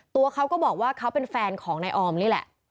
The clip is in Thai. ตัวเขาก็บอกว่าเขาเป็นแฟนของนายออมนี่แหละ